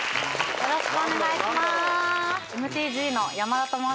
よろしくお願いします